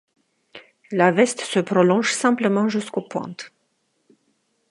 La veste se prolonge simplement jusqu'aux pointes.